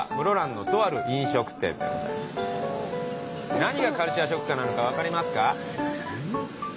何がカルチャーショックなのか分かりますか？